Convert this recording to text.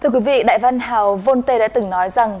quý vị đại văn hào vôn tê đã từng nói rằng